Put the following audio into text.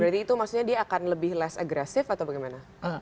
berarti itu maksudnya dia akan lebih less agresif atau bagaimana